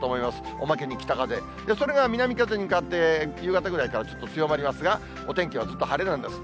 おまけに北風、それが南風に変わって、夕方ぐらいからちょっと強まりますが、お天気はずっと晴れなんです。